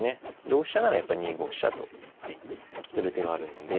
同飛車ならやっぱり２五飛車と寄る手があるので。